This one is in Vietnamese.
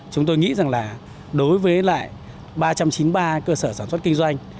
chúng tôi nghĩ rằng là đối với lại ba trăm chín mươi ba cơ sở sản xuất kinh doanh